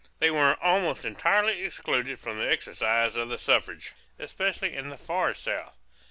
They were almost entirely excluded from the exercise of the suffrage, especially in the Far South.